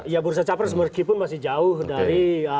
ya bursa capres meskipun masih jauh dari